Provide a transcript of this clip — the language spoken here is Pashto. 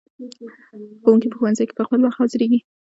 ښوونکي په ښوونځیو کې په خپل وخت حاضریږي.